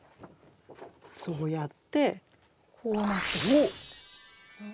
そうやってこうなってしまう。